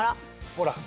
ほら。